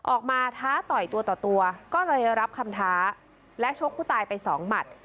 ออกมาท้าป่อยตัวต่อก็เลยรับคำถาและชกผู้ตายไปสองหมัด